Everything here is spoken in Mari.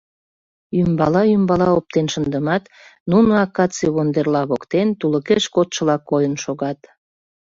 Ӱмбала-ӱмбала оптен шындымат, нуно акаций вондерла воктен тулыкеш кодшыла койын шогат.